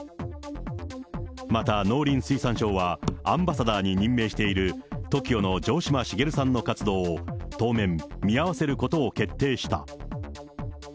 また、農林水産省はアンバサダーに任命しているＴＯＫＩＯの城島茂さんの活動を当面、見合わせることを決定した。